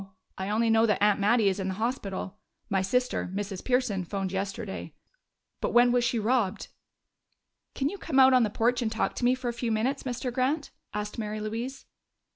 I only know that Aunt Mattie is in the hospital. My sister Mrs. Pearson phoned yesterday. But when was she robbed?" "Can you come out on the porch and talk to me for a few minutes, Mr. Grant?" asked Mary Louise.